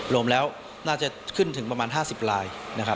รวมแล้วน่าจะขึ้นถึงประมาณ๕๐ลายนะครับ